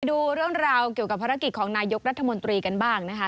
ดูเรื่องราวเกี่ยวกับภารกิจของนายกรัฐมนตรีกันบ้างนะคะ